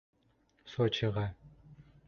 Сочиға.